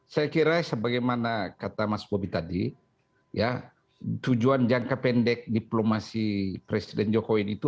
saya kira sebagaimana kata mas bobi tadi ya tujuan jangka pendek diplomasi presiden jokowi itu